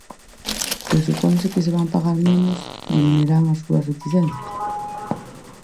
Presuponse que se van pagar menos diminuirán as súas reticencias.